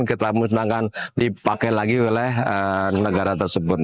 kita sedangkan dipakai lagi oleh negara tersebut